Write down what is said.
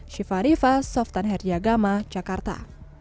syifa rifa softan herdiagama jakarta